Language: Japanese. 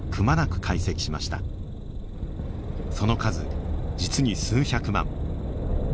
その数実に数百万。